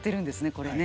これね。